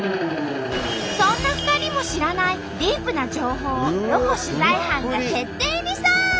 そんな２人も知らないディープな情報をロコ取材班が徹底リサーチ！